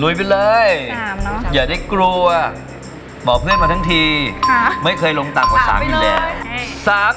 ลุยไปเลยอย่าได้กลัวหมอเพื่อนมาทั้งทีไม่เคยลงต่างกว่า๓ไปเลย